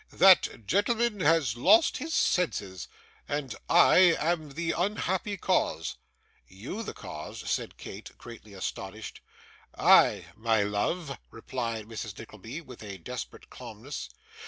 That gentleman has lost his senses, and I am the unhappy cause.' 'YOU the cause!' said Kate, greatly astonished. 'I, my love,' replied Mrs. Nickleby, with a desperate calmness.